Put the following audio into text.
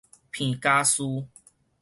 彭佳嶼